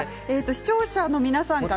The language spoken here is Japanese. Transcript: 視聴者の皆さんから。